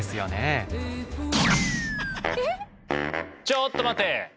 ちょっと待て！